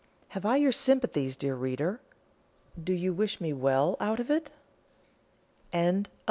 Have I your sympathies, dear reader? Do you wish me well out of it? PART IV.